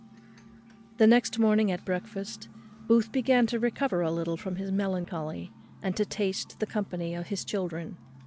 The next morning at breakfast, Booth began to recover a little from his melancholy, and to taste the company of his children.